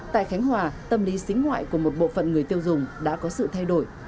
tại khánh hòa tâm lý xính ngoại của một bộ phận người tiêu dùng đã có sự thay đổi